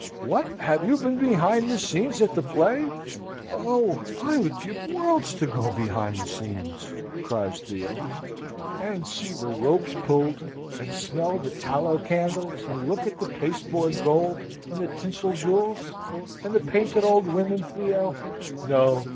"What! Have you been behind the scenes at the play? Oh, I would give worlds to go behind the scenes!" cries Theo. "And see the ropes pulled, and smell the tallow candles, and look at the pasteboard gold, and the tinsel jewels, and the painted old women, Theo? No.